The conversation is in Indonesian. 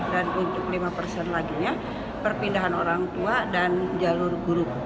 untuk lima persen laginya perpindahan orang tua dan jalur guru